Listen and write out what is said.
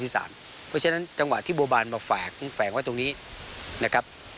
เพราะฉะนั้นจังหวัดที่บวบบานมาแฝงไว้ตรงนี้